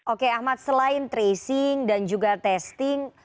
oke ahmad selain tracing dan juga testing